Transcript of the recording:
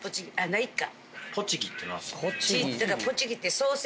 ないか。